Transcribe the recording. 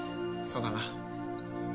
そうだな。